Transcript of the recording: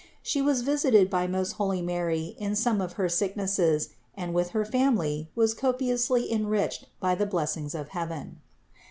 She was visited by most holy Mary in some of her sicknesses and with her family was copiously enriched by the blessings of heaven.